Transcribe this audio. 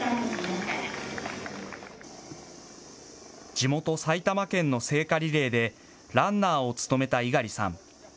地元、埼玉県の聖火リレーでランナーを務めた猪狩さん。